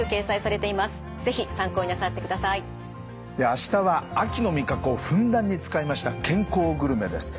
明日は秋の味覚をふんだんに使いました健康グルメです。